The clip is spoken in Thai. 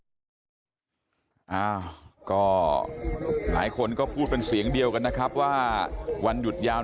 ก็ไม่รบกวนค่ะเพราะว่าส่วนใหญ่ที่มาแล้วก็เสียงดังเนี่ยก็จะเป็นช่วงวันหยุดยาวค่ะ